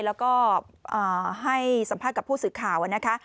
แล้วก็ให้สัมภาษณ์กับผู้สื่อข่าวนะคะ